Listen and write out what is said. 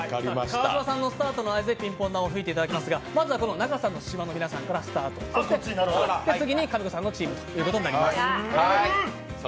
川島さんのスタートの合図で吹いていただきますがまずは仲さんの島の皆さんからスタート次に、かみこさんのチームということになります。